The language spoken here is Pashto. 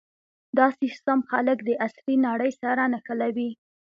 دا سیستم خلک د عصري نړۍ سره نښلوي.